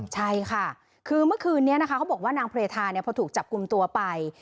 ใช่ค่ะคือเมื่อคืนนี้นางเพรทาพอถูกกลุ่มตัวไป